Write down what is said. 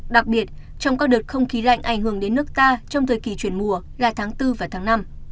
đặc biệt trong các đợt không khí lạnh ảnh hưởng đến nước ta trong thời kỳ chuyển mùa là tháng bốn và tháng năm